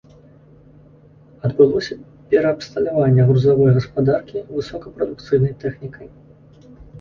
Адбылося пераабсталяванне грузавой гаспадаркі высокапрадукцыйнай тэхнікай.